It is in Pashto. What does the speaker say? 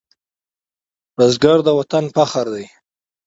بزګر د وطن فخر دی